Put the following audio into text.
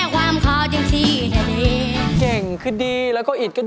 เก่งคือดีแล้วก็อิตรก็ดีนะ